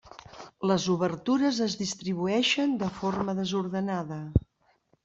Les obertures es distribueixen de forma desordenada.